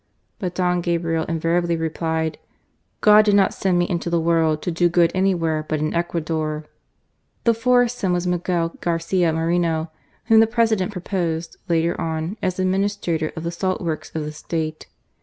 But Don Gabriel invariably replied: " God did not send me into the world to do good anywhere, but in Ecuador !" The fourth son was Michael Garcia Moreno, whom the President proposed, later on, as Ad ministrator of the salt works of the State.